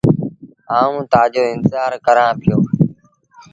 آئوٚݩ تآجو انتزآر ڪرآݩ پيو۔